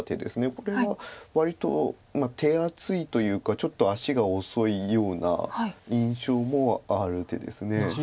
これが割と手厚いというかちょっと足が遅いような印象もある手です。